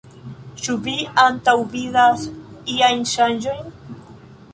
Ĉu vi antaŭvidas iajn ŝanĝojn?